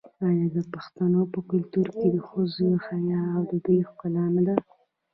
آیا د پښتنو په کلتور کې د ښځو حیا د دوی ښکلا نه ده؟